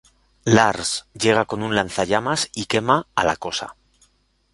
Lars llega con un lanzallamas y quema a la Cosa.